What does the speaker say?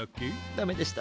だめでした？